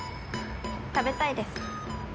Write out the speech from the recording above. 食べたいです。